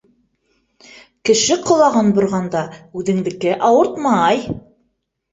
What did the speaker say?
Кеше ҡолағын борғанда үҙендеке ауыртмай.